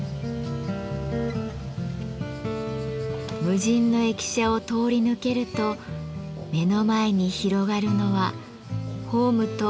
無人の駅舎を通り抜けると目の前に広がるのはホームと真っ青な海。